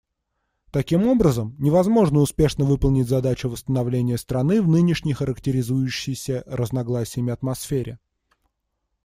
Таким образом, невозможно успешно выполнить задачу восстановления страны в нынешней характеризующейся разногласиями атмосфере.